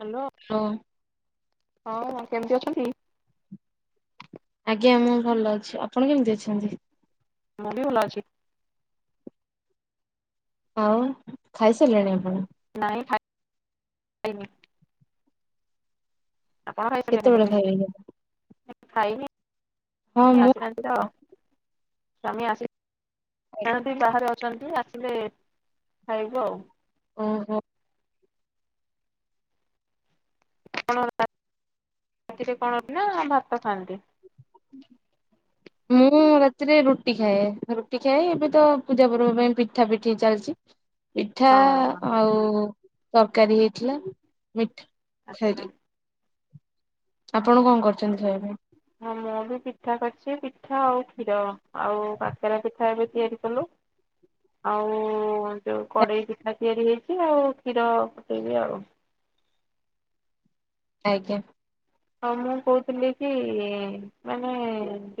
Hello? କଅ। ହଁ କେମିତି ଅଛନ୍ତି? ଆଜ୍ଞା ମୁଁ ଭଲ ଅଛି, ଆପଣ କେମିତି ଅଛନ୍ତି? ମୁଁ ବି ଭଲ ଅଛି। ଆଉ ଖାଇସାରିଲେଣି ଆପଣ? ନାଇଁ ଖାଇନି। ଆପଣ ଖାଇସାରିଲେଣି କେତେବେଳେ ବୋଧେ? ଖାଇବେ ଏଇନା? ଖାଇନି ହଁ ଇଏ ମୁଁ ଆସିନାହାନ୍ତି ତ ସ୍ୱାମୀ ଆସି ଆସିନାହାନ୍ତି ବାହାରେ ଅଛନ୍ତି ଆସିଲେ ଖାଇବୁ ଆଉ। ଓହୋ। ଆପଣ ରାତିରେ କଣ ନା ଭାତ ଖାଆନ୍ତି? ମୁଁ ରାତିରେ ରୁଟି ଖାଏ, ରୁଟି ଖାଏ ଏବେ ତ ପୂଜା ପର୍ବ ପାଇଁ ପିଠା ପିଠି ଚାଲିଚି। ପିଠା ହଁ ହଁ ଆଉ ତରକାରୀ ହେଇଥିଲା ମିଠ୍ ଆଚ୍ଛା। ଆପଣ କଣ କରିଚନ୍ତି ଖାଇବା ପାଇଁ? ହଁ ମୁଁ ବି ପିଠା କରିଚି ପିଠା ଆଉ କ୍ଷୀର ଆଉ କାକେରା ପିଠା ଏବେ ତିଆରି କଲୁ। ଆଉ ଯୋଉ କଡେଇ ପିଠା ତିଆରି ହେଇଚି ଆଉ କ୍ଷୀର ଫୁଟେଇବି ଆଉ। ଆଜ୍ଞା। ଆଉ ମୁଁ କଉଥିଲି କି ମାନେ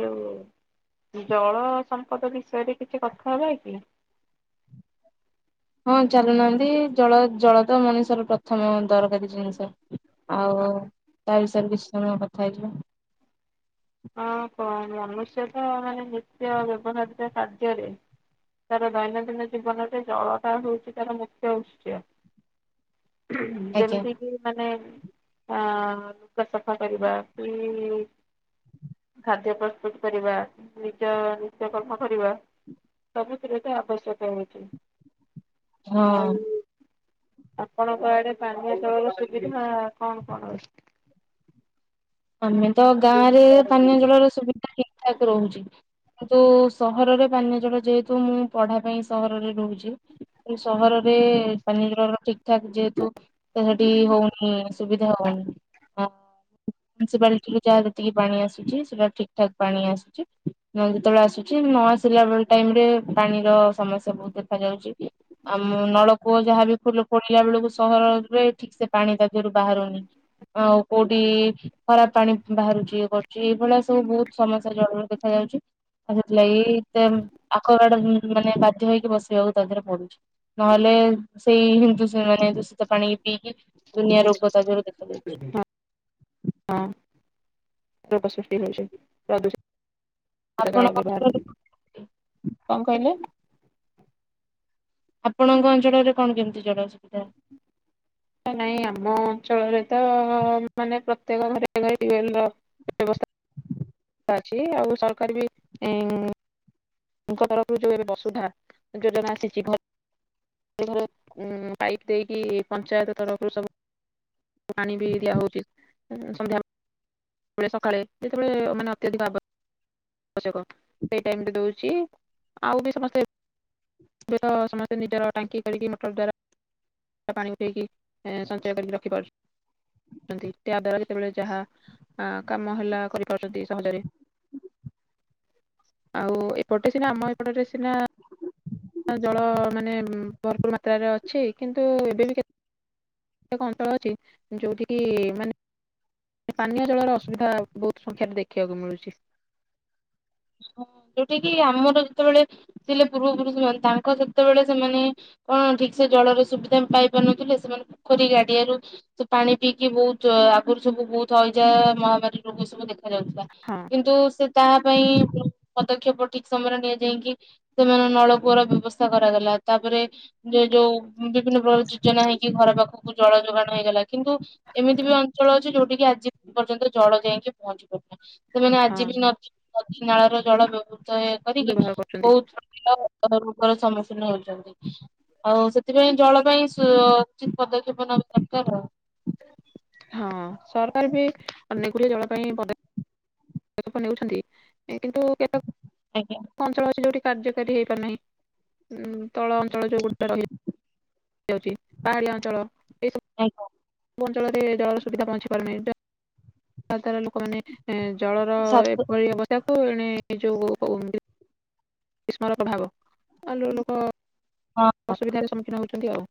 ଯୋଉ ଜଳ ସମ୍ପଦ ବିଷୟରେ କିଛି କଥା ହବା କି? ହଁ ଚାଲୁନାହାନ୍ତି, ଜଳ ଜଳ ତ ମଣିଷର ପ୍ରଥମ ଦରକାରୀ ଜିନିଷ। ଆଉ ତା ବିଷୟରେ କିଛି ସମୟ କଥା ହେଇଯିବା। ଅଁ କଣ ମନୁଷ୍ୟ ତ ମାନେ ନିତ୍ୟ ବ୍ୟବହାରିକ କାର୍ଯ୍ୟରେ ତାର ଦୈନନ୍ଦିନ ଜୀବନରେ ଜଳଟା ହଉଚି ତାର ମୁଖ୍ୟ ଉତ୍ସ୍ୟ। ଆଜ୍ଞା ଯେମିତି କି ମାନେ ଆଁ ଲୁଗା ସଫା କରିବା କି ଖାଦ୍ୟ ପ୍ରସ୍ତୁତ କରିବା, ନିଜ ନିତ୍ୟକର୍ମ କରିବା ସବୁଥିରେ ତ ଆବଶ୍ୟକ ହଉଚି, ହଁ। ଆଉ ଆପଣଙ୍କ ଆଡେ ପାନୀୟ ଜଳର ସୁବିଧା କଣ କଣ ଅଛି? ଆମେ ତ ଗାଁ ରେ ପାନୀୟ ଜଳର ସୁବିଧା ଠିକ୍ ଠାକ୍ ରହୁଚି। କିନ୍ତୁ ସହରର ପାନୀୟ ଜଳ ଯେହେତୁ ମୁଁ ପଢା ପାଇଁ ସହରରେ ରହୁଚି। ଏ ସହରରେ ପାନୀୟ ଜଳର ଠିକ୍ ଠାକ୍ ଯେହେତୁ [unintelligible] ହଉନି ଅସୁବିଧା ହଉନି। ମୁନିସିପାଲଟି ଯାହା ଯେତିକି ପାଣି ଆସୁଚି ସେଟା ଠିକ୍ ଠାକ୍ ପାଣି ଆସୁଚି। ମୁଁ ଯେତେବେଳେ ଆସୁଚି ନ ଆସିଲା ବେଳେ ଟାଇମ ରେ ପାଣିର ସମସ୍ୟା ବହୁତ ଦେଖା ଯାଉଚି। ଆମ ନଳକୂଅ ଯାହାବି ଫୁଲ ଖୋଳିଲା ବେଳକୁ ସହରରେ ଠିକସେ ପାଣି ତା ଦିହରୁ ବାହାରୁନି। ଆଉ କୋଉଠି ଖରାପ ପାଣି ବାହାରୁଚି ଇଏ କରୁଚି ଏଇଭଳିଆ ସବୁ ବହୁତ ସମସ୍ୟା ଜଳର ଦେଖାଯାଉଚି। ଆଉ ସେଥିଲାଗି ଦେନ ଆକ୍ୱାଗାର୍ଡ ଉଁ ମାନେ ବାଧ୍ୟ ହେଇକି ବସେଇବାକୁ ତା ଦେହରେ ପଡୁଛି। ନହେଲେ ସେଇ ହିଁ ଯୋଉ ମାନେ ଦୂଷିତ ପାଣିକି ପିଇକି ଦୁନିଆ ରୋଗ ତା ଦିହରୁ [unintelligible] କଣ ଆପଣଙ୍କ ଅଞ୍ଚଳରେ କହିଲେ? ଆପଣଙ୍କ ଅଞ୍ଚଳରେ କଣ କେମିତି ଜଳର ସୁବିଧା? ନାଇଁ ଆମ ଅଞ୍ଚଳରେ ତ ମାନେ ପ୍ରତ୍ୟେକ ଘରେ ଘରେ ଟିୟୁୱେଲର ବ୍ୟବସ୍ଥା ଅଛି। ଆଉ ସରକାର ବି ଏଁ ତାଙ୍କ ତରଫରୁ ଯୋଉ ଏବେ ବସୁଧା ଯୋଜନା ଆସିଛି, ଭ ତାଙ୍କଠାରୁ ଉଁ ପାଇପ ଦେଇକି ପଞ୍ଚାୟତ ତରଫରୁ ସବୁ ପାଣି ବି ଦିଆ ହଉଛି। ସନ୍ଧ୍ୟା ସକାଳେ ଯେତେବେଳେ ମାନେ ଅତ୍ୟଧିକ ଆବଶ୍ୟକ ସେଇ ଟାଇମ୍ ରେ ଦଉଚି। ଛି ଆଉ ବି ସମସ୍ତେ ଏବେ ତ ସମସ୍ତେ ନିଜର ଟାଙ୍କି କରିକି ମଟର ଦ୍ଵାରା ତ ପାଣି ଉଠେଇକି ଏଁ ସଞ୍ଚୟ କରିକି ରଖିପାରୁଛି। ନ୍ତି ତାଦ୍ଵାରା ଯେତେବେଳେ ଯାହା ଆଁ କାମ ହେଲା କରିପାରୁଛନ୍ତି ସହଜରେ। ଆଉ ଏପଟରେ ସିନା ଆମ ଏପଟରେ ସିନା ଜଳ ମାନେ ଉଁ ଭରପୁର ମାତ୍ରାରେ ଅଛି, କିନ୍ତୁ ଏବେବି କେତେ କେତେକ ଅଞ୍ଚଳ ଅଛି, ଯୋଉଠିକିି ମାନେ ପାନୀୟ ଜଳର ଅସୁବିଧା ବହୁତ ସଂଖ୍ୟାରେ ଦେଖିବାକୁ ମିଳୁଛି। ଯୋଉଠିକି ଆମର ଯେତେବେଳେ ଥିଲେ ପୂର୍ବ ପୁରୁଷ ମାନେ ତାଙ୍କ ସେତେବେଳେ ସେମାନେ କଣ ଠିକସେ ଜଳର ସୁବିଧା ପାଇ ପାରୁନଥିଲେ। ସେମାନେ ପୋଖରୀ ଗାଡିଆରୁ ସେ ପାଣି ପିଇକି ବହୁତ ଆଗରୁ ସବୁ ବହୁତ ହଇଜା, ମହାମାରୀ ରୋଗ ସବୁ ଦେଖା ଯାଉଥିଲା ହଁ କିନ୍ତୁ ସେ ତାହା ପାଇଁ ଉଁ ପଦକ୍ଷେପ ଠିକ ସମୟରେ ନିଆଯାଇକି ସେମାନଙ୍କ ନଳକୂଅର ବ୍ୟବସ୍ଥା କରାଗଲା। ତାପରେ ଯେ ଯୋଉ ବିଭିନ୍ନ ପ୍ରକାର ଯୋଜନା ହେଇକି ଘର ପାଖକୁ ଜଳ ଯୋଗାଣ ହେଇଗଲା। କିନ୍ତୁ ଏମିତି ବି ଅଞ୍ଚଳ ଅଛି ଯୋଉଠି କିି, ଆଜି ପର୍ଯ୍ୟନ୍ତ ଜଳ ଯାଇକି ପହଞ୍ଚି ପାରୁନି। ସେମାନେ ହଁ ଆଜି ବି ହଁ ନଦୀ, ନଦୀ, ନାଳ ର ଜଳ ବ୍ୟବହୃତ ହେ କରିକି ବ୍ୟବହାର କରୁଛନ୍ତି ବହୁତ ପିଲା ରୋଗର ସମ୍ମୁଖୀନ ହେଉଛନ୍ତି। ଆଉ ସେଥିପାଇଁ ଜଳ ପାଇଁ ସ ଉଚିତ ପଦକ୍ଷେପ ନେବା ଦରକାର ଆଉ। ହଁ ସରକାର ବି ଅନେକ ଗୁଡିଏ ଜଳ ପାଇଁ ପଦକ୍ଷେ ପଦକ୍ଷେପ ନେଉଛନ୍ତି, କିନ୍ତୁ କେତେକ ଆଜ୍ଞା। ଅଞ୍ଚଳ ଅଛି ଯୋଉଠି କାର୍ଯ୍ୟକାରୀ ହେଇପାରୁ ନାହିଁ ଉଁ ତଳ ଅଞ୍ଚଳ ଯୋଉଗୁଡିକ ରହିଛି ଅଛି, ପାହାଡ଼ିଆ ଅଞ୍ଚଳ [inaudible] ଯେଉଁ ଅଞ୍ଚଳରେ ଜଳର ସୁବଧା ପହଞ୍ଚି ପାରୁନି ଯାହା ଦ୍ଵାରା ଲୋକମାନେ ଏଁ ଜଳର ସାତ ଏଭଳି ଅବସ୍ଥାକୁୁ ଏଣେ ଯୋଉ ସ୍ମାରକ ଭାଗ, ଅନ୍ୟ ଲୋକ ହଁ ଅସୁବିଧାରେ ସମ୍ମୁଖୀନ ହେଉଛନ୍ତି ଆଉ।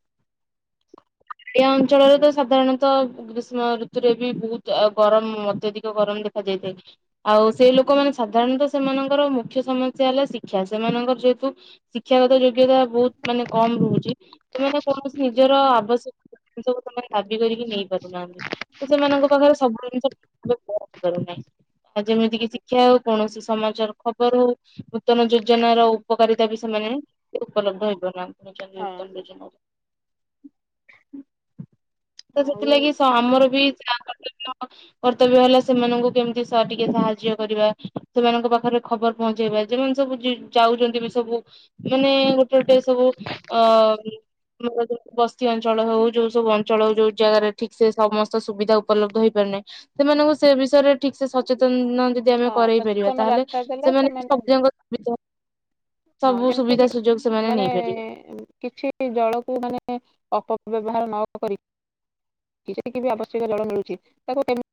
ଏ ଅଞ୍ଚଳରେ ତ ସାଧାରଣତଃ ଗ୍ରୀଷ୍ମ ଋତୁରେ ବି ବହୁତ ଆ ଗରମ ଅତ୍ୟଧିକ ଗରମ ଦେଖା ଯାଇଥାଏ। ଆଉ ସେଇ ଲୋକମାନେ ସାଧାରଣତଃ ସେମାନଙ୍କର ମୁଖ୍ୟ ସମସ୍ୟା ହେଲା ଶିକ୍ଷା। ସେମାନଙ୍କର ଯେହେତୁ ଶିକ୍ଷାଗତ ଯୋଗ୍ୟତା ବହୁତ ମାନେ କମ ରହୁଛି ସେମାନେ କୌଣସି ନିଜର ଆବଶ୍ୟକ ଏ ସବୁ ତମେ ଦାବି କରିକି ନେଇ ପାରୁନାହାନ୍ତି। ସେମାନଙ୍କ ପାଖରେ ସବୁ ଜିନିଷ ଠିକ ଭାବରେ ଆସିପାରୁନାହିଁ। ଆଉ ଯେମିତି କିି ଶିକ୍ଷା ଆଚ୍ଛା ହଉ କୌଣସି ସମାଚାର ଖବର ହଉ ନୂତନ ଯୋଜନାର ଉପକାରିତା ବି ସେମାନେ ଉପଲବ୍ଧ ହେଇ ପାରୁ ହଁ ନାହାନ୍ତି। [unintelligible] କିନ୍ତୁ ହଁ ଆଉ ସେଥିଲାଗି ସ ଆମର ବି ଯହା କର୍ତ୍ତବ୍ୟ କର୍ତ୍ତବ୍ୟ ହେଲା, ସେମାନଙ୍କୁ କେମିତି ସା ଟିକେ ସାହାଯ୍ୟ କରିବା ସେମାନଙ୍କ ପାଖରେ ଖବର ପହଞ୍ଚେଇବା। ଯେମାନେ ସବୁ ଯେ ଯାଉଛନ୍ତି ବି ସବୁ ମାନେ ଗୋଟେ ଗୋଟେ ସବୁ ଅ ବସି ଅ। ଅଞ୍ଚଳ ହଉ ଯୋଉ ସବୁ ଅଞ୍ଚଳ ହଉ ଯୋଉ ଜାଗାରେ ଠିକ ସେ ସମସ୍ତ ସୁବିଧା ଉପଲବ୍ଧ ହେଇପାରୁ ନାହିଁ। ସେମାନଙ୍କୁ ସେ ବିଷୟରେ ଠିକ ସେ ସଚେତନ ଯଦି ଆମେ ହଁ କରଇ ପାରିବା ସଚେତନ ତାହେଲେ ବାର୍ତ୍ତା ଦେଲେ ସେମାନେ ସବୁଯାକ ସୁବିଧା। ହଁ ସବୁ ଯେମିତି ସୁବିଧା କି ସୁଯୋଗ ସେମାନେ ମାନେ ନେଇପାରିବେ। କିଛି ସେ ଜଳକୁ ମାନେ ଅପବ୍ୟବହାର ନ କରି। ଯେତିକି ବି ଆବଶ୍ୟକ ଜଳ ମିଳୁଛି ତାକୁ କେମିତି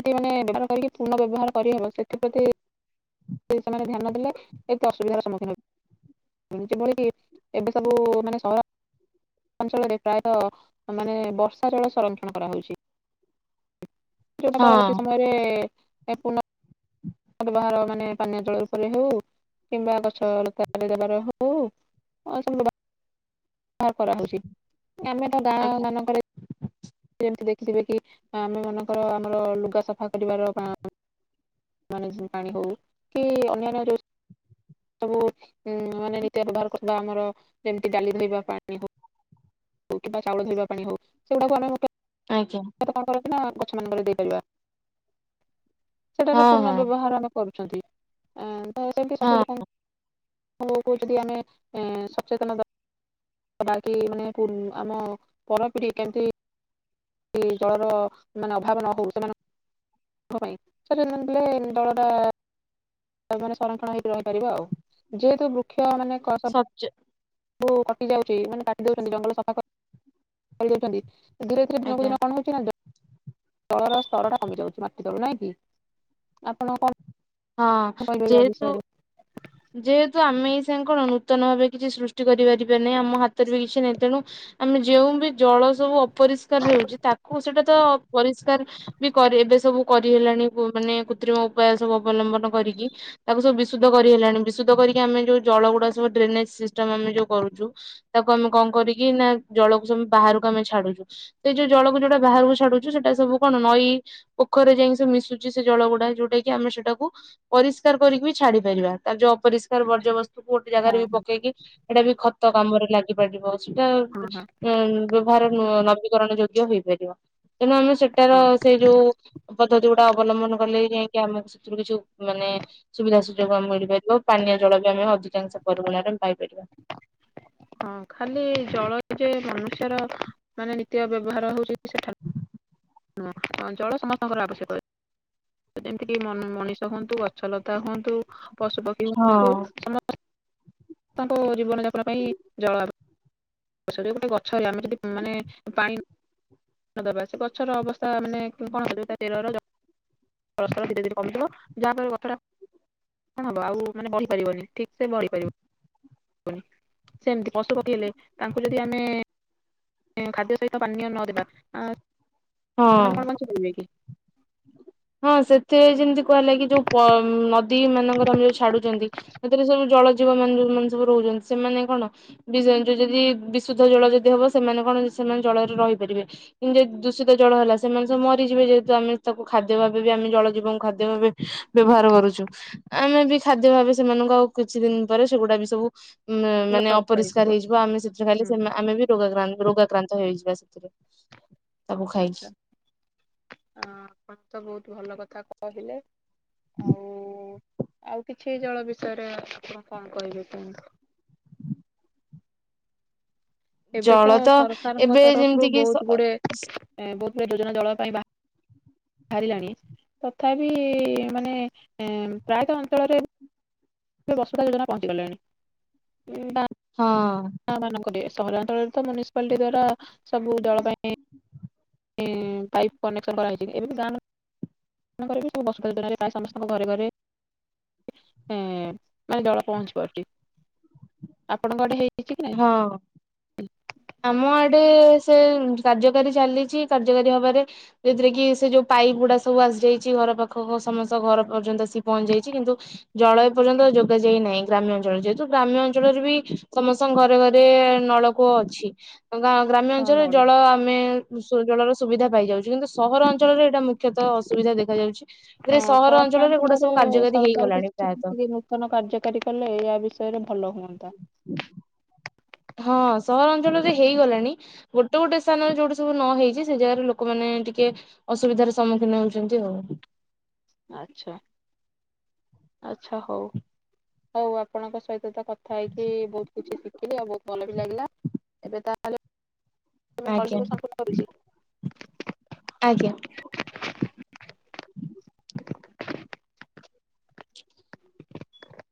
ସେଠି ମାନେ ବ୍ୟବହାର କରିକି ପୁର୍ଣ ବ୍ୟବହାର କରିହେବ ସେଥିପ୍ରତି ସେମାନେ ଧ୍ୟାନ ଦେଲେ ଏକ ଅସୁବିଧାର ସମ୍ମୁଖୀନ ହେବେ। ଏମିତି କି ଏବେ ସବୁ ମାନେ ସହର ଅଞ୍ଚଳରେ ପ୍ରାୟତ ମାନେ ବର୍ଷା ଜଳ ସଂରକ୍ଷଣ କରାହଉଛି। ଯୋଉଟା ପରବର୍ତ୍ତୀ ହଁ ସମୟରେ ପୁନ ବ୍ୟବହାର ମାନେ ପାନୀୟ ଜଳ ଉପରେ ହଉ କିମ୍ବା ଗଛ ଲତାଦବାର ହଉ। ସୁହାର କରାହେଉଛି ଆମେ ତ ଗାଁ ଆଜ୍ଞା ମାନଙ୍କରେ ଯେମିତି ଦେଖିଥିବେ କି ଆମେ ମାନଙ୍କର ଆମର ଲୁଗା ସଫା କରିବାର ମାନେ ପାଣି ହଉ କି ଅନ୍ୟାନ୍ୟ ରୋଷେ ସବୁ ଉ ମାନେ ନି ବ୍ୟବହାର କରି ଆମର ଯେମିତି ଡାଲି ଧୋଇବା ପାଣି ହଉ। ହଉ କିମ୍ବା ଚାଉଳ ଧୋଇବା ପାଣି ହଉ ସେଗୁଡାକୁ ଆମେ ଆଜ୍ଞା। ଣ କର ଗଛମାନଙ୍କରେ ଦେଇପାରିବା ହଁ ସେଟାର ପୂର୍ଣ୍ଣ ହଁ ବ୍ୟବହାର ଆମ କରୁଛନ୍ତି ସେ ସବୁ ହଁ ଲୋକଙ୍କ ପ କହୁଛନ୍ତି ଯଦି ଆମେ ସଚେତନବା କି ମାନେ ଆମ ପରପିଢି କେମିତି ଯେମିତି ଜଳର ମାନେ ଅଭାବ ନ ହଉ ସେମାନଙ୍କୁ ସଚେତନ ନହେଲେ ଜଳର ମାନେ ସଂରକ୍ଷଣ ହେଇକି ରହିପାରିବ ଆଉ ଯେହେତୁ ବୃକ୍ଷ ମାନେ ସଚ। [unintelligible] ସବୁ କଟି ଯାଉଛି ମାନେ କାଟିି ଦଉଛନ୍ତି ଜଙ୍ଗଲ ସଫା କରିଦଉଛନ୍ତି। ଧୀରେ ଧରେିନକୁ ଆଜ୍ଞା। ଦିନ ଅନଣ ହଉଛି ନା ତଳର ସ୍ତର ଟା କମି ଯାଉଛି ମାଟି ତଳୁ ନାଇଁ କି ଆପଣ କଣ ହଁ କହିବେ ୟା ଯେହେତୁ ବିଷୟରେ? ଯେହେତୁ ଆମେ ଏଇ ସାଙ୍ଗ କଣ ନୂତନ ଭାବେ କିଛି ସୃଷ୍ଟି କରିପାରିବା ନାହିଁ ଆମାତ ବି କିଛି ନାହିଁ ତେଣୁ ଆମେ ଯେଉ ବି ଜଳ ସବୁ ଅପରିଷ୍କାର ହେଉଛି ତାକୁ ସେଇଟା ତ ପରିଷ୍କାର ବି କରି ଏବେ ସବୁ କରିହେଲାଣି ମାନେ କୃତ୍ରିମ ଉପାୟ ସବୁ ଅବଲମ୍ବନ କରିକି ତାକୁ ସବୁ ବିଶୁଦ୍ଧ କରି ହେେଲାଣି ବିଶୁଦ୍ଧ କରିକି ଆମେ ଯୋଉ ଜଳ ଗୁଡା ସବୁ ଡ୍ରେନେଜ ସିଷ୍ଟମ ଆମେ ଯୋଉ କରୁଛୁ ତାକୁ ଆମେ କଣ କରିକି ନା ଜଳକୁ ସ ବାହାରକୁ ଆମେ ଛାଡୁଛୁ ସେ ଯୋଉ ଜଳକୁ ଯୋଉଟା ବାହାରକୁ ଛାଡୁଛୁ ସେଇଟା ସବୁ କଣ ନଈ ପୋଖରିରେ ଯାଇ ସେ ମିଶୁଛି ସେ ଜଳଗୁଡା ଯଉଟା କି ଆମେ ସେଇଟା ପରିଷ୍କାର କରିକି ବି ଛାଡି ପାରିବା ତାର ଯୋଉ ଅପରିଷ୍କାର ଆଚ୍ଛା ବର୍ଜ୍ୟବସ୍ତୁ କ ଗୋଟେ ଜାଗାରେ ବି ହଁ ପକେଇକି ଏଇଟା ବି ଖତ କାମରେ ଲାଗିପାରିବ ସେଟା ହଁ ଉଁ ହାର ନବୀକରଣ ଯୋଗ୍ୟ ହେଇପାରିବ। ତେଣୁ ଆମେ ସେଟାର ହଁ। ସେଇ ଯୋଉ ପଦ୍ଧତି ଗୁଡା ଅବଲମ୍ବନ କଲେ ଯାଇକି ଆମେ ୁ କିଛିୁ ମାନେ ସୁବିଧା ସୁଯୋଗ ଆମେ ମିଳିପାରିବ ପାନୀୟ ଜଳ ବି ଆମେ ଅଧିକାଂଶ ପରିମାଣରେମ ପାଇପାରିବା। ହଁ ଖାଲି ଜଳ ଯେ ମନୁଷ୍ୟର ମାନେ ନିତ୍ୟ ବ୍ୟବହାର ହଉଛି ସେଠା ହଁ ଜଳ ସମସ୍ତଙ୍କର ଆବଶ୍ୟକ ହୁଏ। ଯେମିତିକି ମଣିଷ ହୁଅନ୍ତୁ ଗଛଲତା ହୁଅନ୍ତୁ ପଶୁପକ୍ଷୀ ହୁଅନ୍ତୁ ହଁ ସମସ୍ ତାଙ୍କ ଜୀବନ ଯାପନ ପାଇଁ ଜଳ ସେଠି ଗୋଟେ ଗଛ ହେଲା ଆମେ ଯଦି ମାନେ ପାଣି ଦରବାସୀ ଗଛର ଅବସ୍ଥା ମାନେ କଣକରିବ ତା ଚେରର ଫଳସ୍ତର ଧୀରେ ଧୀରେ କମିିବ ଯାହାଫଳରେ ଗଛଟା କଣ ହବ ଆଉ ମାନେ ବଢି ପାରିବନି ଠିକ୍ ସେ ବଢିପାରିବ। ସେମିତି ପଶୁପକ୍ଷୀ ହେଲେ ତାଙ୍କୁ ଯଦି ଆମେ ଖାଦ୍ୟ ସହିତ ପାନୀୟ ନଦେବା ହଁ। ସେମାନେ କଣ [unintelligible] ହଁ ସେଥିରେ ଯେମିତି କୁହା ହେଲା କି ଯୋଉ ନଦୀ ମାନଙ୍କର ଆମେ ଯୋଉ ଛାଡୁଛନ୍ତି ସେଥିରେ ସୁ ଜଳ ଜୀବ ମାନେ ମାନ ସବୁ ରହୁଛନ୍ତି ସେମାନେ କଣ? ବି ଯ ଯଦି ବିଶୁଦ୍ଧ ଜଳ ଯଦି ହବ ସେମାନେ କଣ ସେମାନେ ଜଳରେ ରହିପାରିବେ। କିନ୍ତୁ ଯ ଦୂଷିତ ଜଳ ହେଲା ସେମାନେ ସବୁ ମରିଯିବେ ଯେହେତୁ ଆମେ ତାକୁ ଖାଦ୍ୟ ଭାବେ ବି ଆମେ ଜଳ ଜୀବନ ଖାଦ୍ୟ ଭାବେ ବ୍ୟବହାର କରୁଛୁ। ଆମେ ବି ଖାଦ୍ୟ ଭାବେ ସେମାନଙ୍କୁ ଆଉ କିଛି ଦିନ ପରେ ସେଗୁଡା ବି ସବୁ ଉଁ ମାନେ ଲୋପ ପାଇଯିବ। ଅପରିଷ୍କାର ହେଇଯିବ ଆମେ ସେଥିରେ ହୁଁ ଖାଲି ଆମେ ବି ରୋଗାକ୍ରାନ୍ତ ରୋଗାକ୍ରାନ୍ତ ତ ହେଇଯିବା ସେଥିରେ ତାକୁ ଖାଇକି। ଆ ଆପଣ ତ ବହୁତ ଭଲ କଥା କହିଲେ। ଆଉ ଆଉ କିଛି ଜଳ ବିଷୟରେ ଆପଣ କଣ କହିବେ କୁହ। ଏବେ ତ ସରକାରଙ୍କ ଏବେ ତରଫରୁ ଯେମିତି କିି ବହୁତ ଗୁଡେ ସ ବହୁତ ଗୁଡେ ଯୋଜନା ଜଳ ପାଇଁ ବାହାର ବାହାରିଲାଣି ତଥାପି ମାନେ ପ୍ରାୟତଃ ଅଞ୍ଚଳରେ ସେ ବସୁଧା ଯୋଜନା ପହଞ୍ଚି ଗଲେଣି। ହଁ। ଗାଁ ମାନଙ୍କ ସହରାଞ୍ଚଳରେ ତ ମନିସିପାଲିଟି ଦ୍ଵାରା ସବୁ ଦଳ ପାଇଁ ସେ ପାଇପ୍ କନେକ୍ସନ କରାଯାଇଛି। ଏବେ ଗାଁ [unintelligible] ପ୍ରାଏ ସମସ୍ତଙ୍କ ଘରେ ଘରେ। ଉଁ ମାନେ ଦଳ ପହଞ୍ଚି ପାରୁଛି ଆପଣଙ୍କ ଆଡେ ହେଇଛି କି ନାଇଁ। ହଁ। ଆମ ଆଡେ ସେ କାର୍ଯ୍ୟକାରୀ ଚାଲିଛି କାର୍ଯ୍ୟକାରୀ ହବାରେ ଯୋଉଥିରେ କି ସେ ଯୋଉ ପାଇପ୍ ଗୁଡା ସବୁ ଆସିଯାଇଛି ଘର ପାଖ ସମସ୍ତ ଘର ପର୍ଯ୍ୟନ୍ତ ସି ପହଞ୍ଚି ଯାଇଛି କିନ୍ତୁ ଜଳ ଏପର୍ଯ୍ୟନ୍ତ ଯୋଗା ଯାଇ ନାହିଁ ଗ୍ରାମ୍ୟ ଅଞ୍ଚଳ ଯେହେତୁ ଗ୍ରାମ୍ୟ ଅଞ୍ଚଳରେ ବି ସମ ଘରେ ଘରେ ନଳକୂଅ ଅଛି ଗ୍ରାମ୍ୟ ହଁ ଅଞ୍ଚଳରେ ନଳ ଜଳ ଆମେ ବିଶୁଦ୍ଧ ଜଳର ସୁବିଧା ପାଇଯାଉଛି। କିନ୍ତୁ ସହର ଅଞ୍ଚଳରେ ଏଇଟା ମୁଖ୍ୟ ମୁଖତଃ ଅସୁବିଧା ଦେଖାଯାଉଛି ଏଥିରେ ହଁ ସହର ଅଞ୍ଚଳରେ ଗୋଟା ସହରାଞ୍ଚଳରେ ସବୁ କାର୍ଯ୍ୟକାରୀ ହେଇଗଲାଣି ପ୍ରାୟତଃ। ନୁତନ କାର୍ଯ୍ୟକାରୀ କଲେ ଏୟା ବିଷୟରେ ଭଲ ହୁଅନ୍ତା। ହଁ ସହରାଞ୍ଚଳରେ ହେଇଗଲାଣି। ଗୋଟେ ଗୋଟେ ସ୍ଥାନରେ ଯୋଉଠି ସବୁ ନ ହେଇଛି ସେ ଜାଗାରେ ଲୋକମାନେ ଟିକେ ଅସୁବିଧାର ସମ୍ମୁଖୀନ ହଉଛନ୍ତି ଆଉ। ଆଚ୍ଛା। ଆଛା ହଉ ହଉ ଆପଣଙ୍କ ସହିତ ତ କଥା ହେଇକି ବହୁତ କିଛି ଶିଖି ଦେଲି ଆଉ ବହୁତ ଭଲ ବି ଲାଗିଲା ଏବେ ତାହେଲେ ଆଜ୍ଞା [unintelligible] ଆଜ୍ଞା। [inaudible]